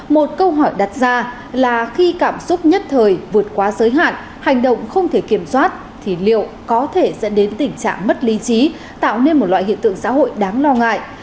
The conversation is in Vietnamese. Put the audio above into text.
một câu hỏi đặt ra là khi cảm xúc nhất thời vượt qua giới hạn hành động không thể kiểm soát thì liệu có thể dẫn đến tình trạng mất ly trí tạo nên một loại hiện tượng xã hội đáng lo ngại